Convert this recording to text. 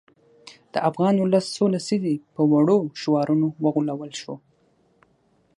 د افغان ولس څو لسیزې په وړو شعارونو وغولول شو.